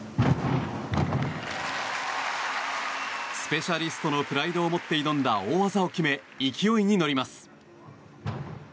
スペシャリストのプライドを持って挑んだ大技を決め勢いに乗ります。